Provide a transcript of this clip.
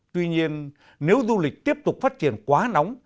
tuy nhiên nếu du lịch tiếp tục phát triển quá nóng